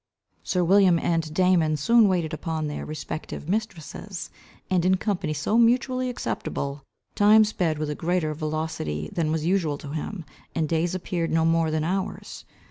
Sir William and Damon, soon waited upon their respective mistresses, and in company so mutually acceptable, time sped with a greater velocity than was usual to him, and days appeared no more than hours.